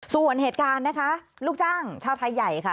ส่วนเหตุการณ์นะคะลูกจ้างชาวไทยใหญ่ค่ะ